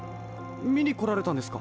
みにこられたんですか？